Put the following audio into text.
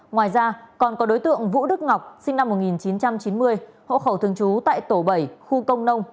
ngoài ra còn có đối tượng vũ đức ngọc sinh năm một nghìn chín trăm chín mươi hộ khẩu thường trú tại tổ bảy khu công nông